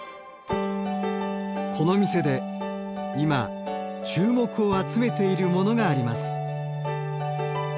この店で今注目を集めているモノがあります。